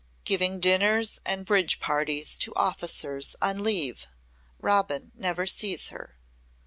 "Giving dinners and bridge parties to officers on leave. Robin never sees her."